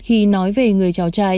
khi nói về người cháu trai